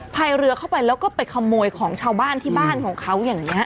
ไพ่เรือเข้าไปแล้วก็ไปขโมยของชาวบ้านที่บ้านของเขา